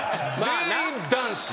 全員男子。